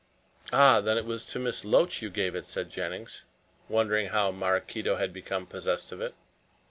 "Ah! then it was to Miss Loach you gave it," said Jennings, wondering how Maraquito had become possessed of it.